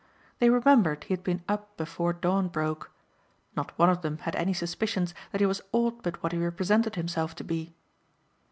They remembered he had been up before dawn broke. Not one of them had any suspicions that he was aught but what he represented himself to be.